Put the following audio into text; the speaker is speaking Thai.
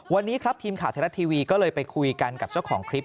วันนี้ครับทีมข่าวไทยรัฐทีวีก็เลยไปคุยกันกับเจ้าของคลิป